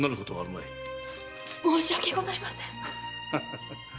申し訳ございません！